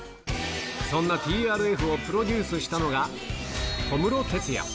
そんなＴＲＦをプロデュースしたのが、小室哲哉。